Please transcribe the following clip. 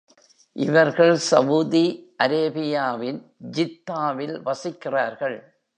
இவர்கள் சவுதி அரேபியாவின் ஜித்தாவில் வசிக்கிறார்கள்.